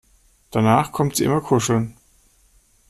Danach kommt sie immer kuscheln.